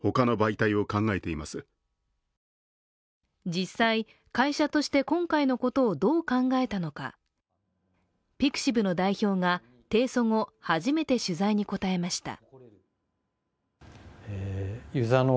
実際、会社として今回のことをどう考えたのかピクシブの代表が提訴後、初めて取材に応えました。